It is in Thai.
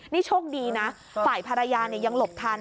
นี่โชคดีนะฝ่ายภรรยายังหลบทัน